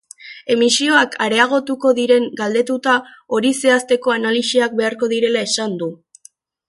Emisioak areagotuko diren galdetuta, hori zehazteko analisiak beharko direla esan du.